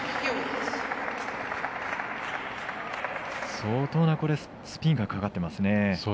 相当なスピンがかかってますね。